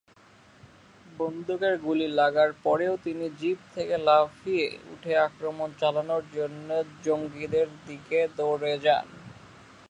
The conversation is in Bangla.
বন্দুকের গুলি লাগার পরেও তিনি জিপ থেকে লাফিয়ে উঠে আক্রমণ চালানোর জন্য জঙ্গিদের দিকে দৌড়ে যান।